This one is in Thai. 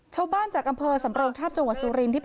ชาวบ้านจากกำพันธุ์สำรองทาบจำว่าสุรินทร์